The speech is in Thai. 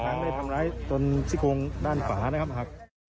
ช้างได้ทำร้ายตอนชิคกรงบ์ด้านฝานะค่ะ